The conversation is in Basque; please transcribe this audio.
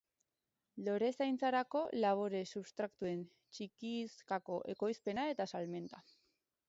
Lorezaintzarako labore-substratuen txikizkako ekoizpena eta salmenta.